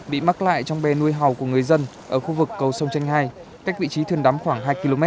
bị mắc lại trong bè nuôi hầu của người dân ở khu vực cầu sông chanh hai cách vị trí thuyền đắm khoảng hai km